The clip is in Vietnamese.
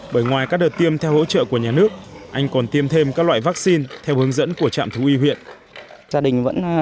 bởi ngoài các đợt tiêm theo hỗ trợ của nhà nước anh còn tiêm thêm các loại vaccine theo hướng dẫn của trạm thú y huyện